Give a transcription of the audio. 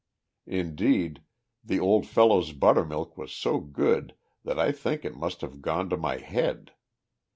Indeed, the old fellow's buttermilk was so good that I think it must have gone to my head.